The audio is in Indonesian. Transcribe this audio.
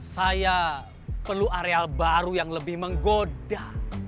saya perlu areal baru yang lebih menggoda